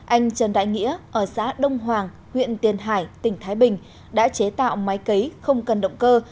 anh trần đại nghĩa ở xã đông hoàng huyện tiền hải tỉnh thái bình đã chế tạo máy cấy không cần động cơ